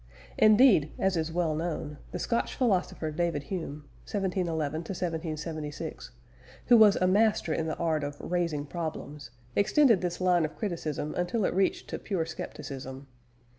Indeed, as is well known, the Scotch philosopher David Hume (1711 1776), who was a master in the art of raising problems, extended this line of criticism until it reached to pure scepticism.